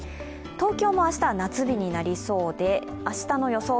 東京も明日は夏日になりそうで、明日の予想